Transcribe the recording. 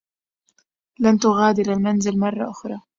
لن تغادر المنزل مرّة أخرى.